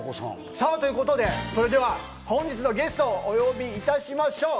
ということでそれでは本日のゲストをお呼びいたしましょう。